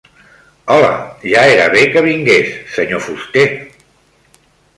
Hola, ja era bé que vingués, senyor fuster.